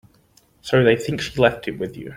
So they think she left it with you.